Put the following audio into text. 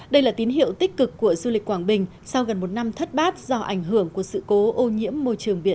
đây là tín hiệu tích cực của du lịch quảng bình sau gần một năm thất bát do ảnh hưởng của sự cố ô nhiễm môi trường biển